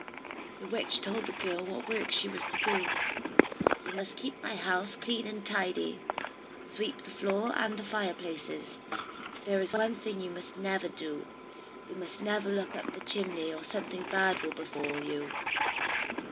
The witch told the girl what work she was to do. "You must keep the house clean and tidy, sweep the floor and the fireplace; but there is one thing you must never do. You must never look up the chimney, or something bad will befall you."